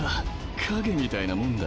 影みたいなもんだ。